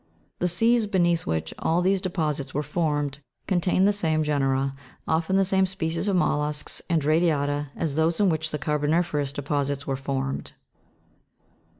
The seas beneath which all these deposits were formed, contained the same genera, often the same species of mollusks and radiata as those in which the carboni'ferous deposits were formed.